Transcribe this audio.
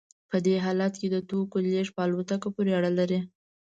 په دې حالت کې د توکو لیږد په الوتکه پورې اړه لري